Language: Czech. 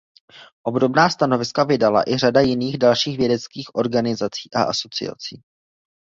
Obdobná stanoviska vydala i řada jiných dalších vědeckých organizací a asociací.